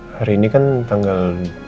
hari ini kan tanggal dua puluh tiga